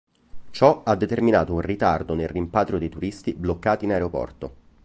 Ciò ha determinato un ritardo nel rimpatrio dei turisti bloccati in aeroporto.